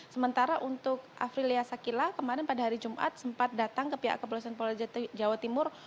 sementara untuk afrilia sakila kemarin pada hari jumat sempat datang ke pihak kepolisian polda jawa timur